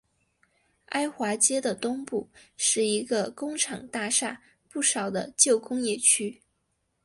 埃华街的东部是一个工厂大厦不少的旧工业区。